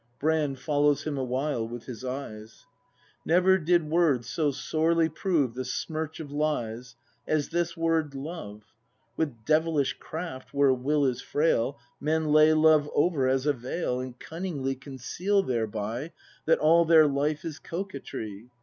Brand. [Follows him awhile icith his cyes.l Never did word so sorely prove The smirch of lies, as this word Love: With devilish craft, where will is frail. Men lay Love over, as a veil. And cunningly conceal thereby That all their life is coquetry.